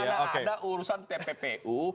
mana ada urusan tppu